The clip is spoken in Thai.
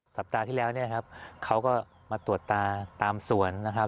สัปดาห์ที่แล้วเนี่ยครับเขาก็มาตรวจตาตามสวนนะครับ